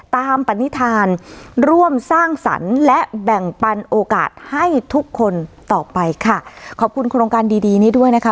ปณิธานร่วมสร้างสรรค์และแบ่งปันโอกาสให้ทุกคนต่อไปค่ะขอบคุณโครงการดีดีนี้ด้วยนะคะ